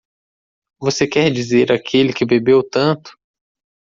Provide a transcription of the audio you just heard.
Você quer dizer aquele que bebeu tanto?